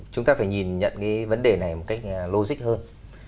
chúng ta phải nhìn nhận cái vấn đề này một cách logic hơn